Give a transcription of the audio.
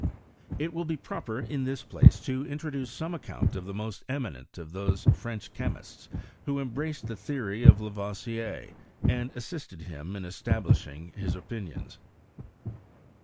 It will be proper in this place to introduce some account of the most eminent of those French che mists who embraced the theory of Lavoisier, and assisted bim in establishing his opinions.